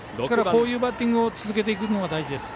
こういうバッティングを続けていくことが大事です。